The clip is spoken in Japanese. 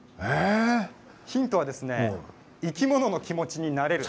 ヒントは生き物の気持ちになれる。